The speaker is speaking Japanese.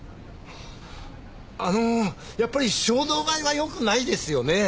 あのやっぱり衝動買いはよくないですよね。